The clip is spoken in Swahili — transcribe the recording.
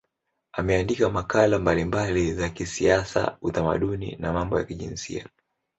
Ameandika makala mbalimbali za kisiasa, utamaduni na mambo ya kijinsia.